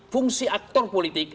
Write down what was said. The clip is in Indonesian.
fungsi aktor politik